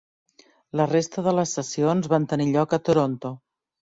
La resta de les sessions van tenir lloc a Toronto.